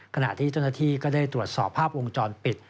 ขณะที่จนถ้าก็ได้ตรวจสอบภาพวงจรปิด